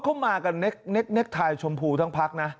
เข้ามากับเน็กไทชมพูทั้งพักนะ